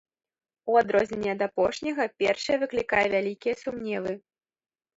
У адрозненне ад апошняга, першае выклікае вялікія сумневы.